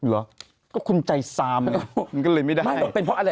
ไม่มีสุดท้ายปรากฏว่ามีเจอน้องคนหนึ่งอยู่ที่นั่น